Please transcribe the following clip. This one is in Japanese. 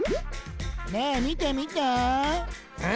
ねえみてみてえ？